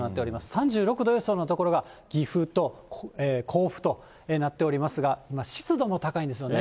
３６度予想の所が、岐阜と甲府となっておりますが、湿度も高いんですよね。